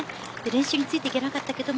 練習についていけなかったけども